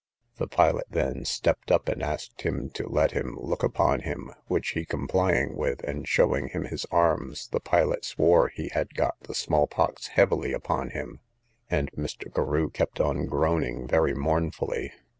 The pilot then stepped up and asked him to let him look upon him, which he complying with, and showing him his arms, the pilot swore he had got the small pox heavily upon him, and Mr. Carew kept on groaning very mournfully.